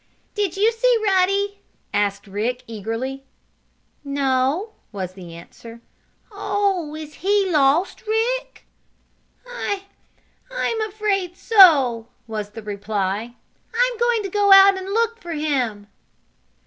"Did you see Ruddy?" asked Rick, eagerly. "No," was the answer. "Oh, is he lost, Rick?" "I I'm afraid so," was the reply. "I'm going to go out and look for him."